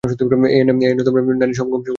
এই আইনে নারী সমকাম সম্পর্কে কোনো ভাষ্য নেই।